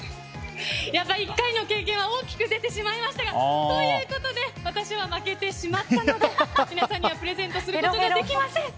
やっぱり１回の経験は大きく出てしまいましたが。ということで私が負けてしまったので皆さんにはプレゼントすることができません。